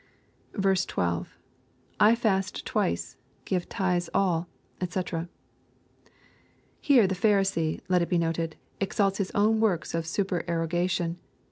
12. — [I fast twice.,.give tithes ally..dbc.] Here the Pharisee, let it be noted, exalts his own works of supererogation.